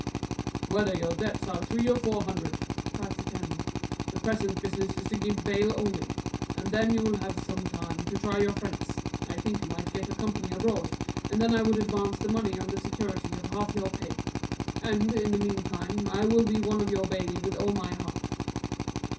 "Whether your debts are three or four hundred," cries the colonel, "the present business is to give bail only, and then you will have some time to try your friends: I think you might get a company abroad, and then I would advance the money on the security of half your pay; and, in the mean time, I will be one of your bail with all my heart."